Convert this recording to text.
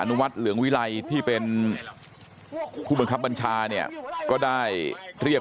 นุวัฒน์เหลืองวิไลที่เป็นผู้บังคับบัญชาเนี่ยก็ได้เรียก